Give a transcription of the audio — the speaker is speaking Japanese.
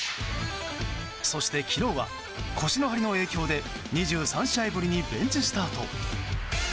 そして、昨日は腰の張りの影響で２３試合ぶりにベンチスタート。